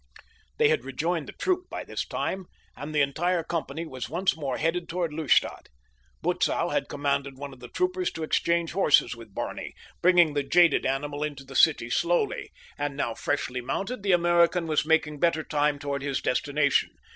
They had rejoined the troop by this time, and the entire company was once more headed toward Lustadt. Butzow had commanded one of the troopers to exchange horses with Barney, bringing the jaded animal into the city slowly, and now freshly mounted the American was making better time toward his destination.